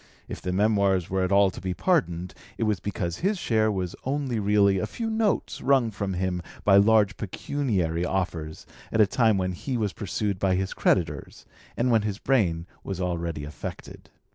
If the Memoirs were at all to be pardoned, it was because his share was only really a few notes wrung from him by large pecuniary offers at a time when he was pursued by his creditors, and when his brain was already affected.